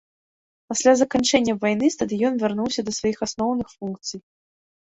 Пасля заканчэння вайны стадыён вярнуўся да сваіх асноўных функцый.